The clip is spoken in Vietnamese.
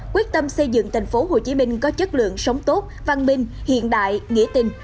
quyết tâm xây dựng tp hcm có chất lượng sống tốt văn minh hiện đại nghĩa tình